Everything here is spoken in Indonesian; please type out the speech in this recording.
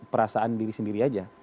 perasaan diri sendiri aja